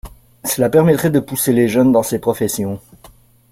Cela permettrait de pousser les jeunes dans ces professions.